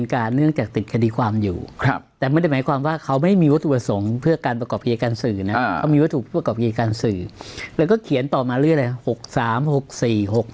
เขามีวัตถุประกอบพิจารณ์การสื่อแล้วก็เขียนต่อมาเรื่องอะไร